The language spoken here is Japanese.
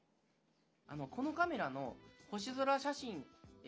このカメラの星空写真。